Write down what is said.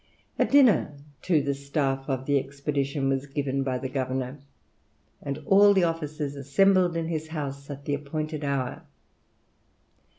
A dinner to the staff of the expedition was given by the governor, and all the officers assembled in his house at the appointed hour.